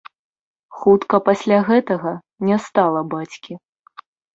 Хутка пасля гэтага не стала бацькі.